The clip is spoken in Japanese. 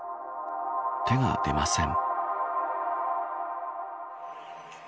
手が出ません。